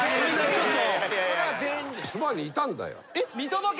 ちょっと。